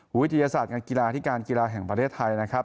วิทยาศาสตร์การกีฬาที่การกีฬาแห่งประเทศไทยนะครับ